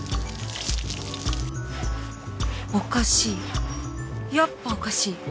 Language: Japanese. おかしいやっぱおかしい